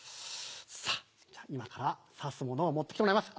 さぁじゃ今から刺すものを持って来てもらいます。